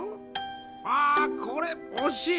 あこれおしい！